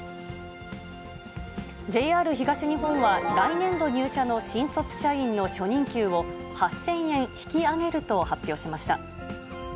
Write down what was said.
ＪＲ東日本は、来年度入社の新卒社員の初任給を８０００円引き上げると発表しました。